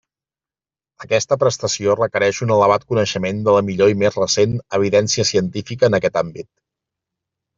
Aquesta prestació requereix un elevat coneixement de la millor i més recent evidència científica en aquest àmbit.